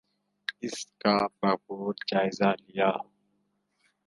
اس کا بغور جائزہ لیا۔